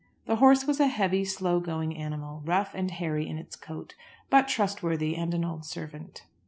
The horse was a heavy, slow going animal, rough and hairy in its coat, but trustworthy and an old servant.